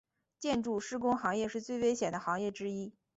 建筑施工行业是最危险的行业之一。